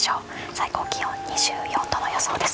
最高気温は２４度の予想です。